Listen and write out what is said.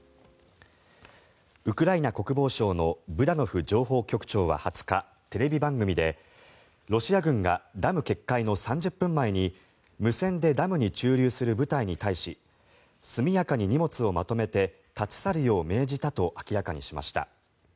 ウクライナ国防省のブダノフ情報局長は２０日テレビ番組でロシア軍がダム決壊の３０分前に無線でダムに駐留する部隊に対し速やかに荷物をまとめて立ち去るよう命じたと明らかにしました。